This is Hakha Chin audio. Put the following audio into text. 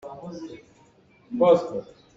Khi ka khin cabuai a um i khi ka khin ṭhuden an um.